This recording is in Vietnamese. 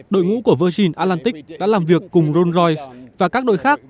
đội ngũ của virgin atlantic đã làm việc cùng rolls royce và các đội khác